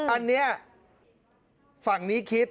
อันนี้ฝั่งนี้คิด